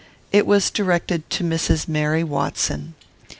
It was directed to Mrs. Mary Watson.